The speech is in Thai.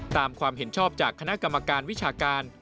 ความเห็นชอบจากคณะกรรมการวิชาการ